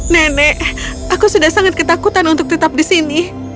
nenek aku sudah sangat ketakutan untuk tetap di sini